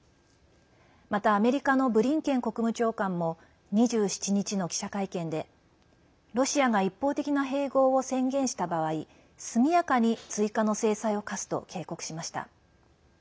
また、アメリカのブリンケン国務長官も２７日の記者会見でロシアが一方的な併合を宣言した場合速やかに追加の制裁を科すと警告しました。